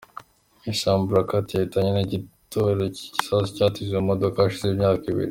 Hisham Barakat yahitanywe n'igitero cy'igisasu cyatezwe mu modoka hashize imyaka ibiri.